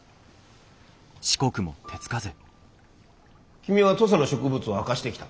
君は土佐の植物を明かしてきた。